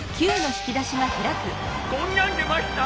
こんなん出ました。